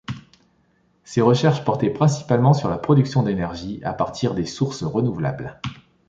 Ses recherches portaient principalement sur la production d'énergie à partir des sources renouvelables.